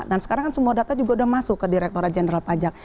dan sekarang kan semua data juga udah masuk ke direkturat jenderal pajak